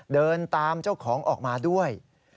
เดินตามเจ้าของออกมาด้วย